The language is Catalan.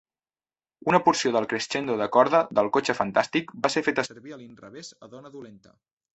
Una porció del crescendo de corda de "El cotxe fantàstic" va ser feta servir a l'inrevés a "Dona dolenta".